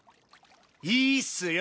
いいっすよ。